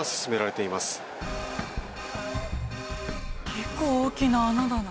結構大きな穴だな。